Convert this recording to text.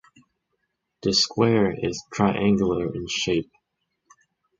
The square is triangular in shape.